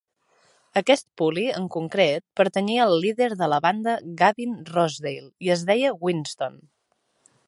Aquest Puli en concret pertanyia al líder de la banda Gavin Rossdale i es deia Winston.